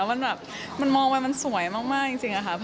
มันมองแว่นมันสวยมากจริงอ่ะคะ